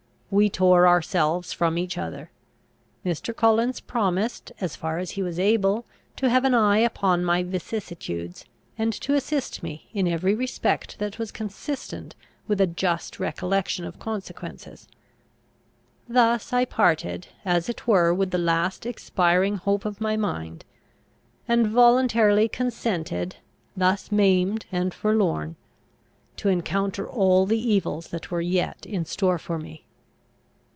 We tore ourselves from each other. Mr. Collins promised, as far as he was able, to have an eye upon my vicissitudes, and to assist me, in every respect that was consistent with a just recollection of consequences. Thus I parted as it were with the last expiring hope of my mind; and voluntarily consented, thus maimed and forlorn, to encounter all the evils that were yet in store for me.